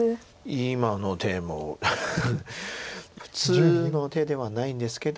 今の手も普通の手ではないんですけど。